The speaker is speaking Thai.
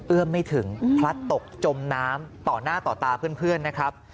อื้อมให้ถึงพระตกจมน้ำต่อหน้าต่อตาเพื่อนนะครับ